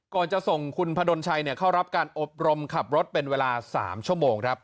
ก่อนจะส่งคุณพดลชัยเข้ารับการอบรมขับรถเป็นเวลา๓ชั่วโมงครับ